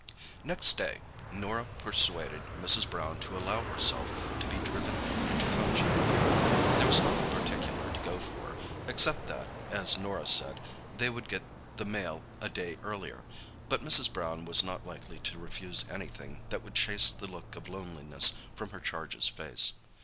Next day Norah persuaded Mrs. Brown to allow herself to be driven into Cunjee. There was nothing particular to go for, except that, as Norah said, they would get the mail a day earlier; but Mrs. Brown was not likely to refuse anything that would chase the look of loneliness from her charge's face.